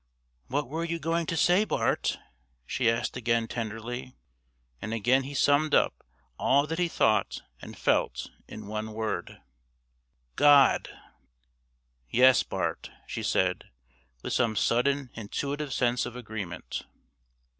"What were you going to say, Bart?" she asked again tenderly. And again he summed up all that he thought and felt in one word: "God." "Yes, Bart," she said, with some sudden intuitive sense of agreement.